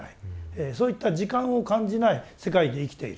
そういった時間を感じない世界で生きている。